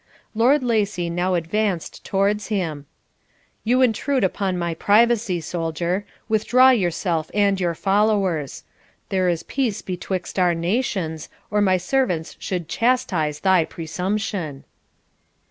Lord Lacy now advanced towards him. 'You intrude upon my privacy, soldier; withdraw yourself and your followers. There is peace betwixt our nations, or my servants should chastise thy presumption.'